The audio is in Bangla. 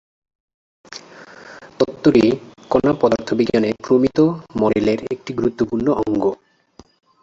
তত্ত্বটি কণা পদার্থবিজ্ঞানের প্রমিত মডেলের একটি গুরুত্বপূর্ণ অঙ্গ।